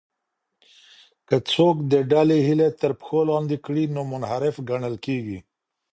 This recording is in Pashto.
که څوک د ډلې هیلې تر پښو لاندې کړي نو منحرف ګڼل کیږي.